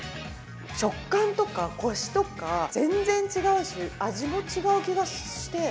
食感とかコシとか全然違うし、味も違う気がして。